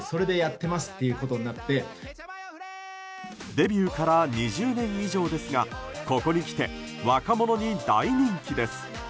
デビューから２０年以上ですがここにきて若者に大人気です。